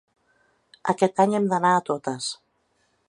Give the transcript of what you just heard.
Aquest any hem d’anar a totes.